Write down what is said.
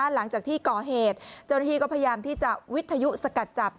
หลังจากที่ก่อเหตุเจ้าหน้าที่ก็พยายามที่จะวิทยุสกัดจับ